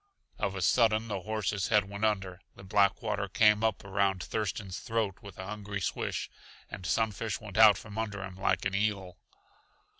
Of a sudden the horse's head went under; the black water came up around Thurston's throat with a hungry swish, and Sunfish went out from under him like an eel.